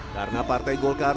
karena partai golkar